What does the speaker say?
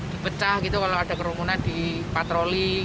dipecah gitu kalau ada kerumunan di patroli